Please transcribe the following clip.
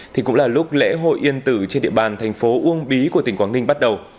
thì cũng là lúc lễ hội yên tử trên địa bàn thành phố uông bí của tỉnh quảng ninh bắt đầu